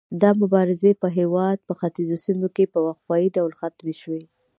دا مبارزې په هیواد په ختیځو سیمو کې په وقفه يي ډول ختمې شوې.